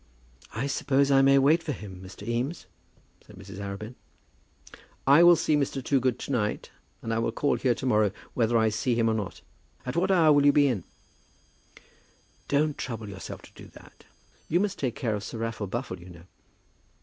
"I suppose I may wait for him, Mr. Eames?" said Mrs. Arabin. "I will see Mr. Toogood to night, and I will call here to morrow, whether I see him or not. At what hour will you be in?" "Don't trouble yourself to do that. You must take care of Sir Raffle Buffle, you know."